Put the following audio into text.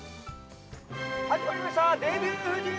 ◆始まりました、デビュー夫人！